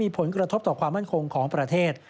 ผลกระทบต่อความมั่นคงของประเทศ